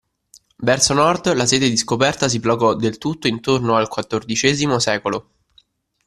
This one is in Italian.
Verso Nord, la sete di scoperta si placò del tutto intorno al XIV secolo.